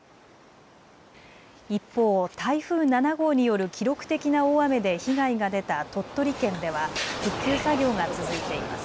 一方、台風７号による記録的な大雨で被害が出た鳥取県では復旧作業が続いています。